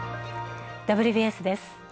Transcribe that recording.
「ＷＢＳ」です。